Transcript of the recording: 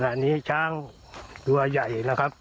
ขณะนี้ช้างตัวใหญ่นะครับ